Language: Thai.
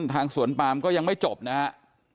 ทางสวนปามก็ยังไม่จบนะครับ